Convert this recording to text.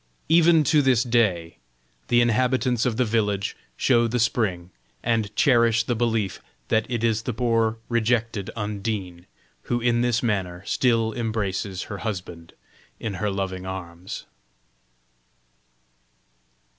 Even to this day the inhabitants of the village show the spring, and cherish the belief that it is the poor rejected Undine, who in this manner still embraces her husband in her loving arms.